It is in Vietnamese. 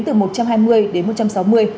từ một trăm hai mươi đến một trăm sáu mươi